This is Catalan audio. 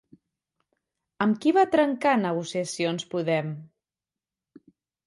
Amb qui va trencar negociacions Podem?